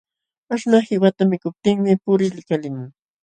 Aśhnaq qiwata mikuptinmi puqri likalimun.